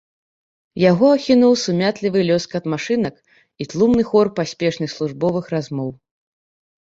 Яго ахінуў сумятлівы лёскат машынак і тлумны хор паспешных службовых размоў.